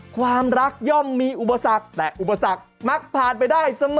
ความรักย่อมมีอุปสรรคแต่อุปสรรคมักผ่านไปได้เสมอ